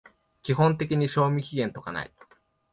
基本的に賞味期限とかない